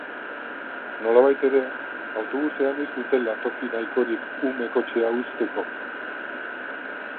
Nolabait ere, autobusean ez dutela toki nahikorik ume-kotxea uzteko.